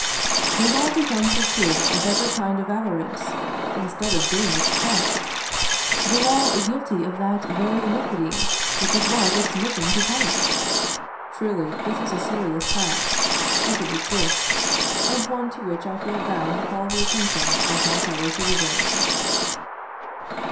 The law become the tool of every kind of avarice, instead of being its check! The law guilty of that very iniquity which it was its mission to punish! Truly, this is a serious fact, if it exists, and one to which I feel bound to call the attention of my fellow citizens.